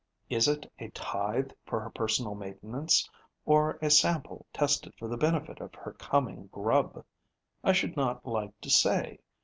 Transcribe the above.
Is it a tithe for her personal maintenance, or a sample tested for the benefit of her coming grub? I should not like to say.